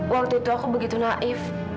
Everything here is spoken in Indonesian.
waktu itu aku begitu naif